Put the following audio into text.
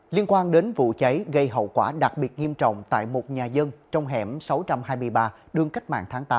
liên quan đến vụ cháy gây hậu quả đặc biệt nghiêm trọng tại một nhà dân trong hẻm sáu trăm hai mươi ba đường cách mạng tháng tám